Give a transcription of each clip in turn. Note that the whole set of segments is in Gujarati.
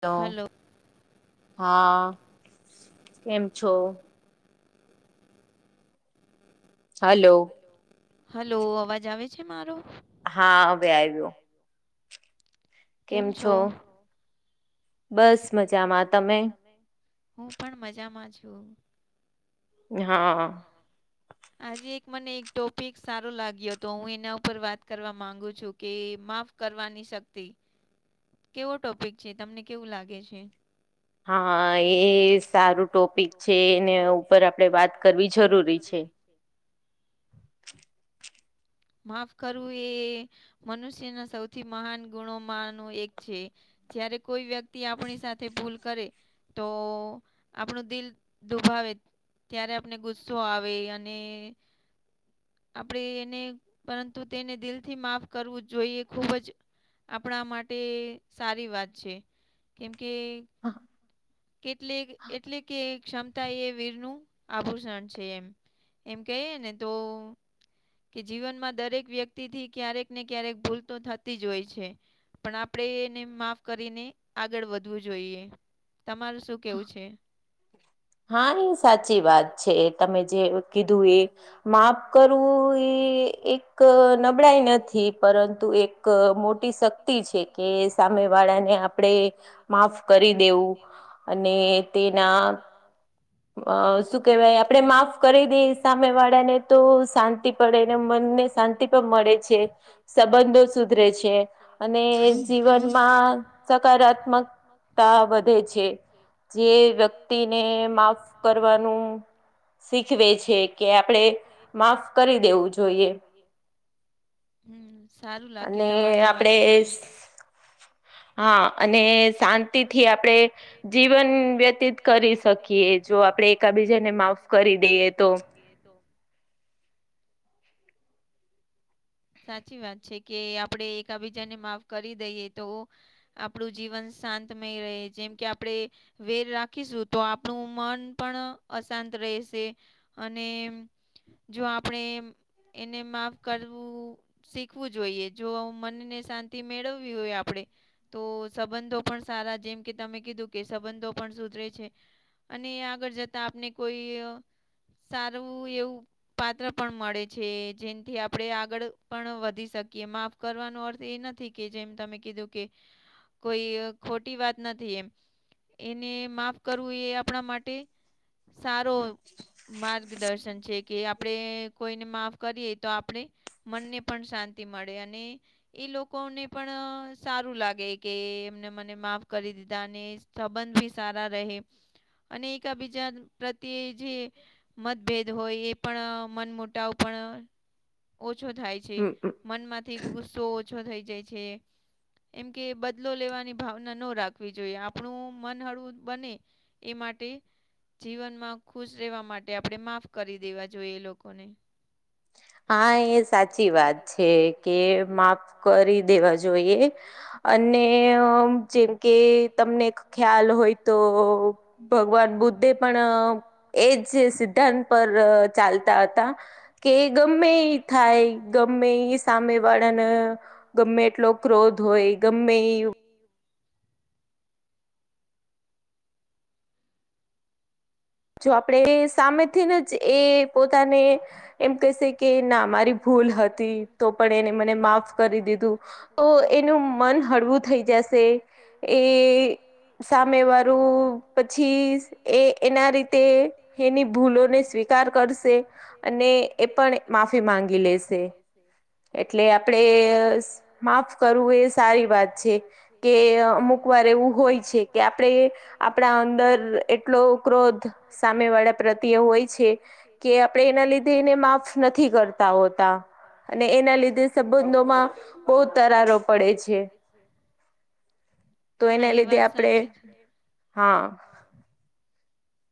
તો હા કેમ છો? હલો. હલો અવાજ આવે છે મારો? હા હવે આવ્યો. કેમ છો? બસ મજામાં તમે. હું પણ મજામાં છું. આજે એક મને એક ટોપિક સારો લાગ્યો હતો હું એના ઉપર વાત કરવા માંગુ છું કે માફ કરવાની શક્તિ, કેવો ટોપિક છે તમને કેવું લાગે છે? હા એ સારું ટોપિક છે એને ઉપર આપણેે વાત કરવી જરૂરી છે. માફ કરવું એ મનુષ્યના સૌથી મહાન ગુણોમાં નું એક છે. જ્યારે કોઈ વ્યક્તિ આપણી સાથે ભૂલ કરે. તો આપણું દિલ દુભાવે ત્યારે આપને ગુસ્સો આવે અને આપણેે એને પરંતુ તેને દિલથી માફ કરવું જોઈએ ખૂબ જ આપણા માટે સારી વાત છે કેમ કે [inaudible] કેટલેક એટલે કે ક્ષમતા એ વીરનું આભૂષણ છે એમ, એમ કહીએ ને તો કે જીવનમાં દરેક વ્યક્તિથી ક્યારેક ને ક્યારેક ભૂલ તો થતી જ હોય છે. પણ આપણે એને માફ કરીને આગળ વધવું જોઈએ. તમારું શું કેવું છે? હા એ સાચી વાત છે તમે જે કીધું એ માફ કરવું એ એક નબળાઈ નથી પરંતુ એક મોટી શક્તિ છે કે સામે વાળાને આ આપડે માફ કરી દેવું. એવું. અને તેના અ શું કેહેવાય આપડે માફ કરી દઈ સામે વાળા ને તો શાંતિ પડે ને મનને શાંતિ મળે છે, સંબંધો સુધરે છે અને જીવનમાં સકારાત્મકતા છે જે વ્યક્તિને માફ કરવાનું શીખવે છે કે આપણેે માફ કરી દેવું જોઈએ. હમ્મ. અને આપડે હા અને શાંતિથી આપણેે જીવન વ્યતીત કરી શકીએ. જો આપડે એકાબીજાને માફ કરી દઈએ તો. સાચી વાત છે કે આપણે એકાબીજાને માફ કરી દઈએ તો. આપણું જીવન શાંતમય રહે જેમ કે આપડે. વેર રાખીશું તો આપણું મન પણ અશાંત રહેશે. અને જો આપણેે એને માફ કર. શીખવું જોઈએ જો મનને શાંતિ મેળવવી હોય આપડે. તો સંબંધો પણ સારા જેમ કે તમે કીધું કે સંબંધો પણ સુધરે છે. અને આગળ જતાં આપને કોઈ. સારું એવું પાત્ર પણ મળે છે. જેનાથી. આપણે આગળ પણ વધી શકીએ. માફ કરવાનો અર્થ એ નથી કે જેમ તમે કીધું કે. કોઈ ખોટી વાત નથી. એમ. એને માફ કરવું એ આપણા માટે. સારો માર્ગદર્શન છે. કે આપણેે કોઈને માફ કરીએ તો. આપણે મનને પણ શાંતિ મળે અને. એ લોકોને પણ સારું લાગે કે એમને મને માફ કરી દીધા ને. સંબંધ ભી સારા રહે અને એકબીજા. પ્રત્યે જે મતભેદ હોય એ પણ મનમુટાવ પણ. ઓછો થાય છે. મનમાંથી ગુસ્સો ઓછો થઈ જાય છે. એમ કે બદલો લેવાની ભાવના ન રાખવી જોઈએ. આપણું મન હળવું બને. એ માટે. જીવનમાં ખુશ રહેવા માટે આપણે માફ કરી દેવા જોઈએ એ લોકોને. [unintelligible] હાએ સાચી વાત છે કે માફ કરી દેવા જોઈએ. અને જેમ કે તમને ખ્યાલ હોય તો. ભગવાન બુદ્ધે પણ એજ સિદ્ધાંત પર ચાલતાં હતા કે. ગમે એ થાય ગમે એ સામે વાળાને ગમે એટલો ક્રોધ હોય. હોય ગમે. જો આપડે સામેથીને જ એ પોતાને એમ કહેશે કે ના મારી. ભૂલ હતી તો પણ એને મને માફ કરી દીધું. તો એનું મન હળવું થઈ જશે. એ સામે વાળું પછી એ એના રી. તે એની ભૂલોને સ્વીકાર કરશે. અને એ પણ માફી માંગી લેશે. [unintelligible] એટલે આપડે માફ કરવું એ સારી વાત છે. કે અમુક વાર એવું હોય છે કે આપડે આપણા અંદર એટલો ક્રોધ સામે વાળા પ્રત્યે હોય છે કે આપણે એના લીધે એને માફ નથી કરતાં હોતાં. અને એના લીધે સંબંધોમાં બહુ દરારો પડે છે. હા એ વાત સાચી આપડે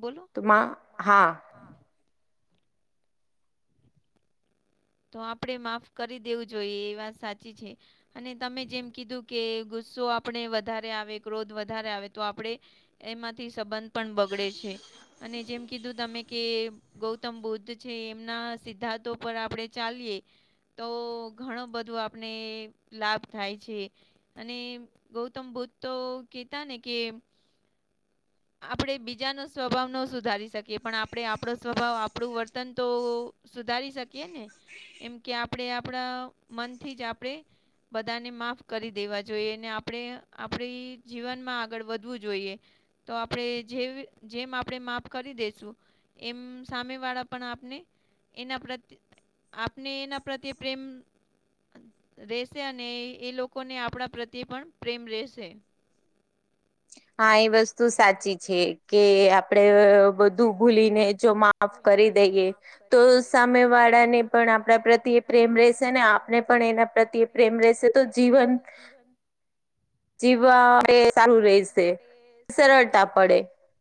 બોલો [unintelligible] તો આપણેે માફ કરી દેવું જોઈએ એ વાત સાચી છે. અને તમે જેમ કીધું કે ગુસ્સો આપણે વધારે આવે ક્રોધ વધારે આવે તો આપણે. એમાંથી સંબંધ પણ બગડે છે. અને જેમ કીધું તમે કે ગૌતમ બુદ્ધ છે. એમના સિદ્ધાંતો પર આપણે ચાલીએ તો ઘણો બંધો આપણને લાભ થાય છે. અને ગૌતમ બુદ્ધ તો કહેતાં ને કે આપણે બીજાનો સ્વભાવ ન સુધારી શકીએ પણ આપણે આપણો સ્વભાવ આપણું વર્તન તો સુધારી શકીએ ને એમ કે આપણે આપણા મનથી જ આપણે બધાને માફ કરી દેવા જોઈએ ને આપણે આપણા જીવનમાં આગળ વધવું જોઈએ. તો આપણેે જેમ આપણે માફ કરી દેસું એમ સામેવાળા પણ આપણને એના પ્રત્યે આપણને એના પ્રત્યે પ્રેમ રહેશે અને એ લોકોને આપણા પ્રત્યે પણ પ્રેમ રહેશે. હા એ વસ્તુ સાચી છે કે આપણે બધું ભૂલીને જો માફ કરી દઈએ તો સામે વાળા ને પણ આપણા પ્રત્યે પ્રેમ રહેશે ને આપણને પણ એના આપણને પણ એના પ્રત્યે પ્રેમ રહેશે તો જીવન જીવવા એ સારું રહેશે. સારું રહેંશે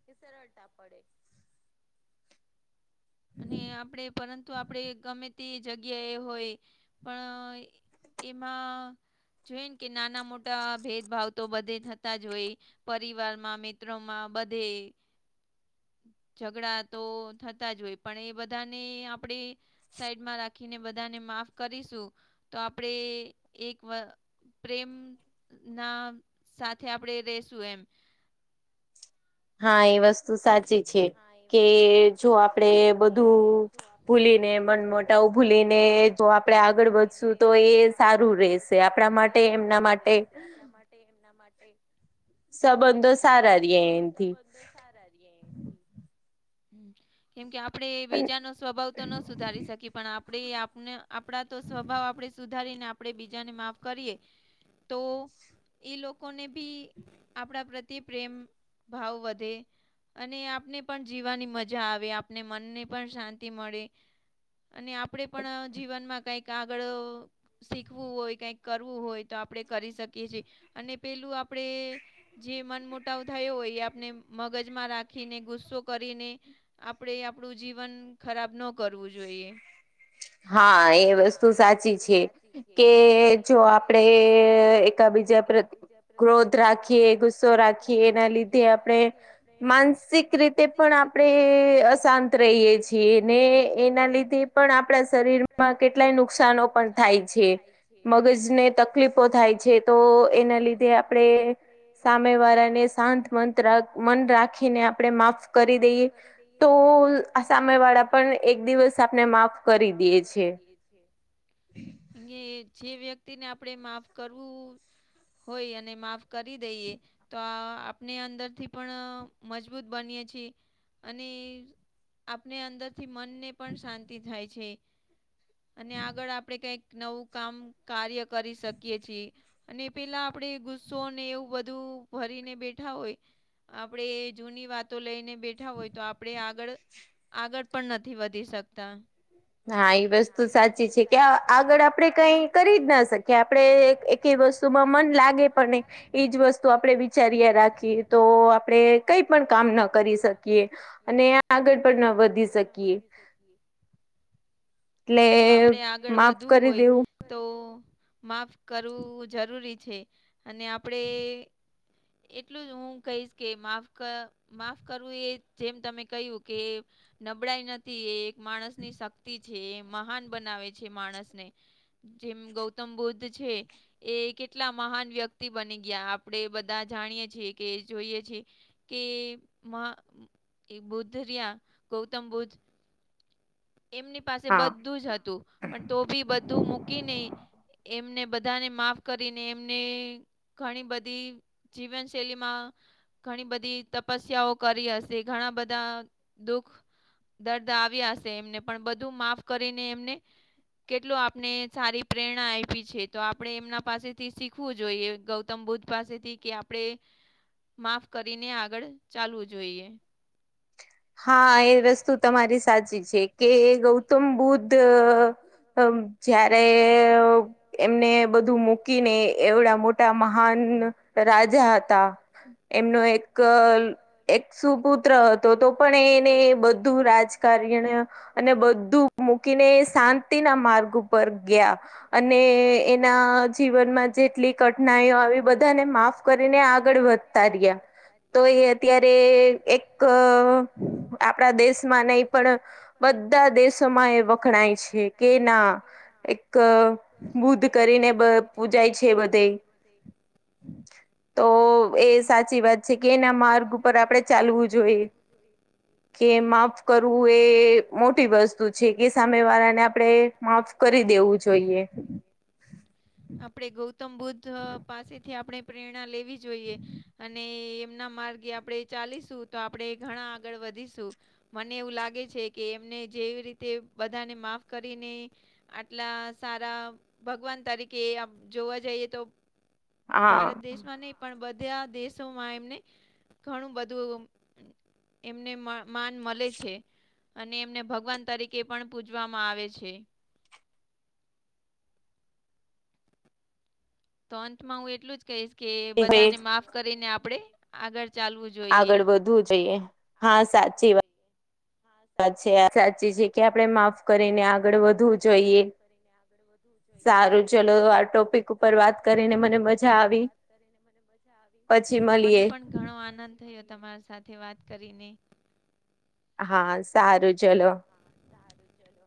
કે સરળતા પડે અને આપણે પરંતુ તો આપણે ગમે તે જગ્યાએ હોય પણ એમાં જોઈને કે નાના મોટા ભેદભાવ તો બધે થતા જ હોય પરિવારમાં મા, મિત્રો માં બધે ઝઘડા તો થતા જ હોય પણ એ બધાને આપણેે સાઈડમાં રાખીને બધાને માફ કરીશું તો આપણે એક વાર પ્રેમના સાથે આપણે રહેશું એમ હા એ વસ્તુ સાચી કે જો આપણેે બધું ભૂલીને મનમટાઓ ભૂલીને મન મોટાવઉ ભુલીને જો આપણે આગળ વધશું તો એ સારું રશે આપણા માટે તેમના માટે સંબંધો સારા રહે એમ સંબંધો સારા રહે કેમ કે આ આપણે બીજાનો સ્વભાવ તો ન સુધારી શકીએ પણ આપણે આપણોતો સ્વભાવ આપણે સુધા ધારીને આપણે બીજા ને માફ કરીએ તો એ લોકોને બી આપણા પ્રત્યે પ્રેમ ભાવ વધે અને આપણને પણ જીવવાનો મજા આવે આપણા મનને પણ શાંતિ મળે અને આપણેે પણ જીવનમાં કંઈક આગળ શીખવું હોય કંઈક કરવું હોય તો આપણે કરી શકીએ છીએ અને પેલું આપણે જે મનમોટાવ થયો હોય એ આપણે મગજમાં રાખીને ગુસ્સો કરીને આપણેે આપણું જીવન ખરાબ ન કરવું જોઈએ. હા એ વસ્તુ સાચી છે કે જો આપણે એકાબીજા ક્રોધ રાખીએ ગુસ્સો રાખીએ એના લી આપણે માનસિક રીતે પણ આપણે અશાંત રહીએ છીએ. ને એના લીધે પણ આપણા શરીર માં કેટલાય નુકસાનો પણ થાય છે મગજને તકલીફો થાય છે. થાય છે તો એના લીધે આપડે સામે વાળાને મન રાખીને આપણે માફ કરી દઈએ તો આ સામે વાળા પણ એક દિવસ આપણ ને માફ કરી દે કરી દે છે અને જે વ્યક્તિ ને આપડે માફ કરવું હોય અને માફ કરી દઈએ તો આ ને અંદરથી પણ મજબૂત બનીએ છીએ અને આપને અંદર થી મનને પણ શાંતિ થાય છે અને આગળ આપડે કંઈક નવું કામ કાર્ય કરી શકીએ છીએ. અને પેલા આપડે ગુસ્સો અને એવું બધું ભરીને બેઠ બેઠા હોય આપડે જૂની વાતો લઈને બેઠા હોય તો આપડે આગળ આગળ પણ નથી વધી શકતા. હા, એ વસ્તુ સાચી છે કે આગળ આપડે કઈ કરી જ ના શકીએ આપડે એકય વસ્તુ વસ્તુમાં મન લાગે પણ નઈ, એજ વસ્તુ આપડે વિચારી રાખીએ તો આપડે કઈ પણ કામ ન કરી શકીએ અને આગળ પણના વધી શકીએ. જો આપડે આગળ વધવું હોય તો માફ કરવું જરૂરી છે અને આપડે એટલું જ હું કહીશ કે માફ કર, માફ કરવું એ જેમ તમે કહ્યું કે નબળાઈ નથી એ એક માણસની શક્તિ છે એ મહાન બનાવે છે માણસને જેમ ગૌતમ બુદ્ધ છે. એ કેટલા મહાન વ્યક્તિ બની ગયા આપડે બધા જ જાણીએ છીએ કે જોઈએ છેએ કે મા એક બુદ્ધ રહિયા ગૌતમ બુદ્ધ એમની પાસે બધું જ હતું પણ તો બી બધું મૂકીને એમને બધાને માફ કરીને એમને ઘણી બધી જીવનશૈલિમાં ઘણી બધી તપસ્યાઓ કરી હશે ઘણા બધા દુખ દર્દ આવ્યા હશે એમને પણ બધું માફ કરીને એમને કેટલું આપણે સારી પ્રેરણા આઇપી છે તો આપણે એમના પાસેથી શીખવું જોઈએ ગૌ ગૌતમ બુદ્ધ પાસેથી કે આપડે માફ કરીને આગળ ચાલવું જોઈએ. હા, એ વસ્તુ તમારી સાચી છે કે ગૌતમ બુદ્ધ જયારે એમને બધું મૂકીને એવડા મોટ ટા મહાન રાજા હતા એમનો એક એક સુપુત્ર હતો તો પણ એને બધું રાજકારણ અને બધું મૂકીને શાંતિના માર્ગ ઉપ ઉપર ગયા અને એના જીવનમાં જેટલી કઠિનાઈઓ આવી બધાને માફ કરીને આગળ વધતા રયા તો એ અત્યારે એક આપડા દેશમાં નઈ પણ બધા દેશમાં એ વખણાય છે. કે ના એક બુદ્ધ કરીને પૂજાય છે બધે. તો એ સાચી વાત છે કે એના માર્ગ ઉપર આપણેે ચાલવું જોઈએ. કે માફ કરવું એ મોટી વસ્તુ છે કે સામે વાળા ને આપડે માફ કરી દેવું જોઈએ. આપડે ગૌતમ બુદ્ધ પાસેથી આપણે પ્રેરણા લેવી જોઈએ અને એમના માર્ગે આપડે ચાલીશું તો આપડે ઘણા આગળ વધીશું. મને એવું લાગે છે કે એમને જેવી રીતે બધાને માફ કરીને આટલા સારા ભગવાન તરીકે જોવા જઈએ તો ભારત દેશમાં નઈ પણ બધા દેશોમાં એમને ઘણું બધું એમને માન માલે છે. અને એમને ભગવાન તરીકે પણ પૂજવામાં આવે છે. તો અંતમાં હું એટલું જ કહીશ કે બધાને માફ કરીને આપડે આગળ ચાલવું આગળ વધવું જોઈએ. હા સાચી વાત. હા સાચી વાત છે. આ તમારું વાત સાચી છે, કે આપણે [unintelligible] સારું, ચલો. આ ટોપિક ઉપર વાત કરીને મને મજા આવી. હા. મને પણ ઘણો આનંદ થયો, તમારી સાથે વાત કરીને. હા, સારું ચલો. હા સારું ચલો.